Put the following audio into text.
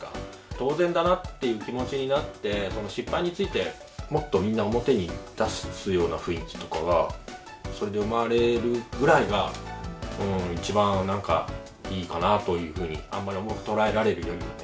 当然だなっていう気持ちになって、その失敗について、もっとみんな表に出すような雰囲気とかがそれで生まれるぐらいが、一番、なんか、いいかなというふうに、あんまり重く捉えられるよりはね。